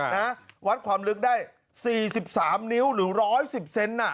นะฮะวัดความลึกได้สี่สิบสามนิ้วหรือร้อยสิบเซนต์น่ะ